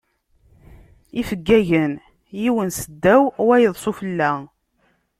Ifeggagen yiwen s ddaw wayeḍ sufella.